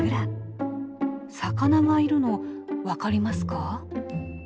魚がいるの分かりますか？